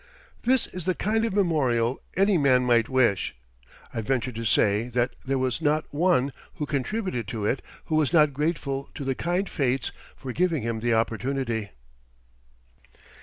This is the kind of memorial any man might wish. I venture to say that there was not one who contributed to it who was not grateful to the kind fates for giving him the opportunity.